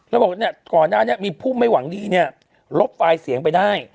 แล้วบอกก่อนนั้นมีผู้ไม่หวังดีลบไฟล์เสียงไปได้